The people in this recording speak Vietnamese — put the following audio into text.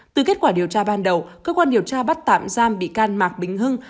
từ kết quả điều tra ban đầu cơ quan điều tra bắt tạm giam bị can mạc bính hưng